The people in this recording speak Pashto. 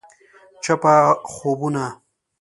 چپه خوبونه …